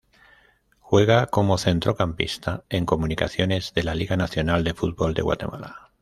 Juega como centrocampista en Comunicaciones, de la Liga Nacional de Fútbol de Guatemala.